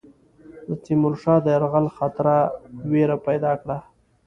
د تیمور شاه د یرغل خطر وېره پیدا کړه.